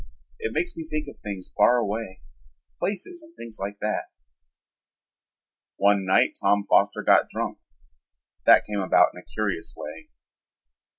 "It makes me think of things far away, places and things like that." One night Tom Foster got drunk. That came about in a curious way.